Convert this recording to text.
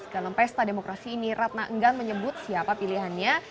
dalam pesta demokrasi ini ratna enggan menyebut siapa pilihannya